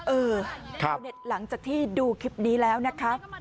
เออหลังจากที่ดูคลิปนี้แล้วนะครับ